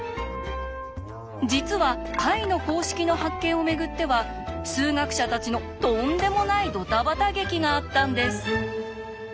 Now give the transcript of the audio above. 実は解の公式の発見をめぐっては数学者たちのとんでもないドタバタ劇があったんです。